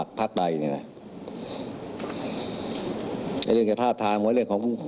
คือหลายคน